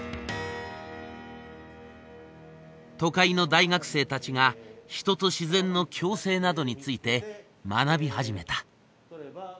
都会の大学生たちが人と自然の共生などについて学び始めた。